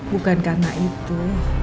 bukan karena itu